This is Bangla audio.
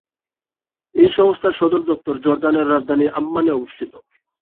এই সংস্থার সদর দপ্তর জর্দানের রাজধানী আম্মানে অবস্থিত।